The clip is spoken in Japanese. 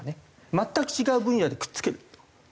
全く違う分野でくっつける。